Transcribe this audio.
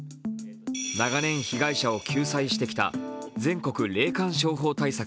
長年、被害者を救済してきた全国霊感商法対策